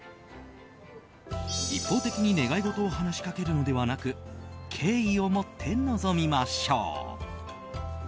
一方的に願い事を話しかけるのではなく敬意をもって臨みましょう。